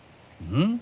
ん？